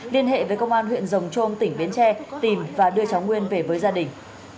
liên hệ với công an huyện rồng trôm tỉnh bến tre tìm và đưa cháu nguyên về với gia đình